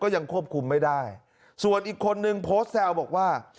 ยังควบคุมไม่ได้ส่วนอีกคนนึงโพสต์แซวบอกว่า